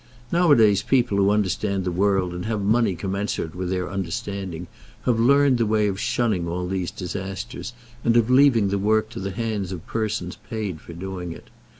Now a days people who understand the world, and have money commensurate with their understanding, have learned the way of shunning all these disasters, and of leaving the work to the hands of persons paid for doing it.